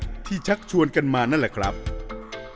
มีหลานชายคนหนึ่งเขาไปสื่อจากคำชโนธ